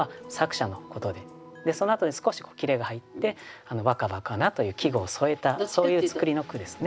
でそのあとに少し切れが入って「若葉かな」という季語を添えたそういう作りの句ですね。